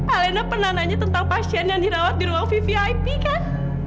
alena pernah nanya tentang pasien yang dirawat di ruang vvip kan